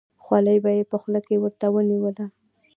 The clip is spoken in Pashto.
خولۍ به یې په خوله کې ورته ونیوله.